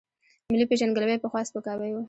ملي پېژندګلوۍ پخوا سپکاوی و.